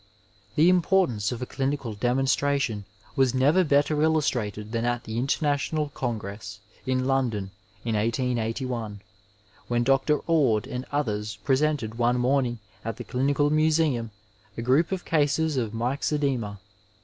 The importance of a clinical demonstration was never better illustrated than at the International Congress in London in 1881, when Dr. Ord and others presented one morning at the Clinical Museum a group of cases of myxcedema.